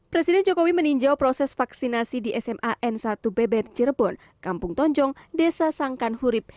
presiden jokowi meninjau proses vaksinasi di sma n satu beber cirebon kampung tonjong desa sangkan hurib